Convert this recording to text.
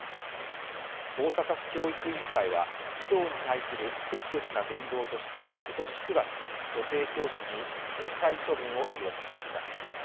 大阪府教育委員会は、児童に対する不適切な言動として今年９月、女性教師に訓戒処分を言い渡しました。